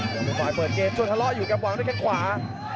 หลวงเป็นฝ่ายเปิดเกจจนทะเลาะอยู่กับหวังด้วยข้างขวา